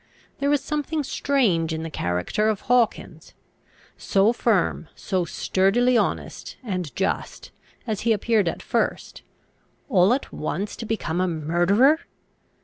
There was something strange in the character of Hawkins. So firm, so sturdily honest and just, as he appeared at first; all at once to become a murderer!